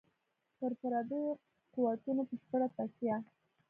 پر پردیو قوتونو بشپړه تکیه.